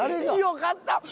よかった！